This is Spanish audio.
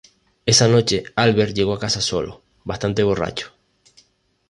Esa noche, Albert llegó a casa solo, bastante borracho.